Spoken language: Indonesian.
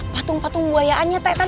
patung patung buayaannya ta